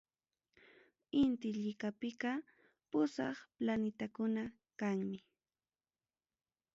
Inti llikapiqa pusaq planitakuna kanmi.